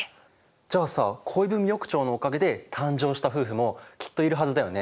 じゃあさ恋文横丁のおかげで誕生した夫婦もきっといるはずだよね。